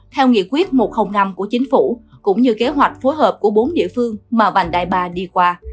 theo nghị quyết một trăm linh năm của chính phủ cũng như kế hoạch phối hợp của bốn địa phương mà vành đai ba đi qua